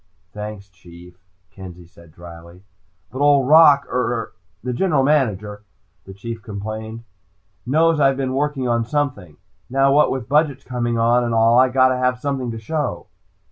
"Thanks, Chief," Kenzie said drily. "But Old Rock er the General Manager," the Chief complained, "knows I've been working on something. Now what with budgets coming on, and all, I gotta have something to show!"